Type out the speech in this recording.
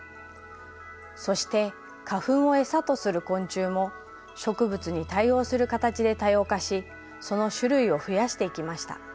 そして花粉を餌とする昆虫も植物に対応する形で多様化しその種類を増やしていきました。